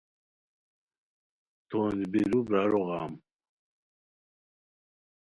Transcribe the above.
تونج بیرو برارو غم